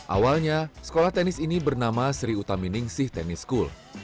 awalnya sekolah tenis ini bernama sri utamining sih tennis school